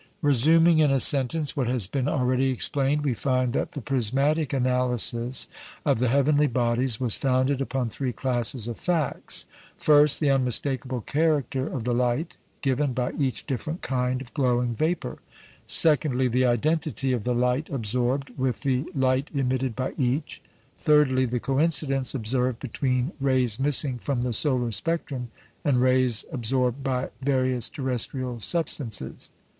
Resuming in a sentence what has been already explained, we find that the prismatic analysis of the heavenly bodies was founded upon three classes of facts: First, the unmistakable character of the light given by each different kind of glowing vapour; secondly, the identity of the light absorbed with the light emitted by each; thirdly, the coincidence observed between rays missing from the solar spectrum and rays absorbed by various terrestrial substances.